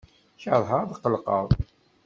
Keṛheɣ ad tqellqeɣ.